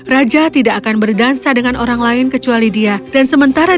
raja tidak akan berdansa dengan orang lain kecuali dia dan sementara